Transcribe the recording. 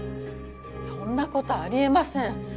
そんな事あり得ません！